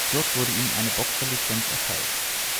Dort wurde ihm eine Boxer-Lizenz erteilt.